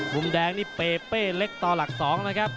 มุมแดงนี่เปเป้เล็กต่อหลัก๒นะครับ